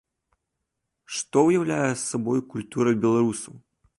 Што ўяўляе сабой культура беларусаў?